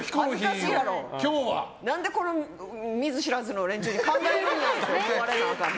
何で見ず知らずの連中に考えるんやと思われなあかんの。